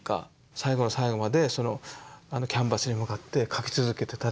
最後の最後までキャンバスに向かって描き続けてたっていう。